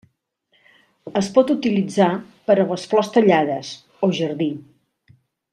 Es pot utilitzar per a les flors tallades o jardí.